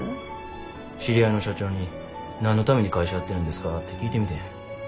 知り合いの社長に何のために会社やってるんですかって聞いてみてん。